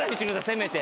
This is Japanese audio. せめて。